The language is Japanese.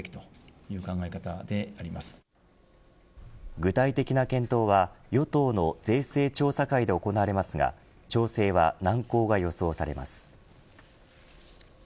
具体的な検討は与党の税制調査会で行われますが調整は難航が予想されます。